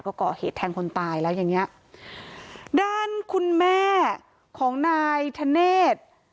ก็ก่อเหตุแทงคนตายแล้วอย่างเงี้ยด้านคุณแม่ของนายธเนธ